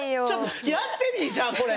やってみいじゃあこれ。